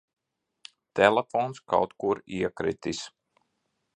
Telefons kaut kur iekritis.